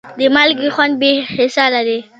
د مالګې خوند بې مثاله دی.